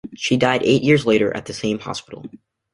She died eight years later at the same hospital.